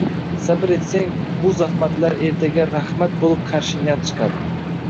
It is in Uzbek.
Sabr etsang, bu zaxmatlar ertaga rahmat bo'lib qarshingdan chiqadi.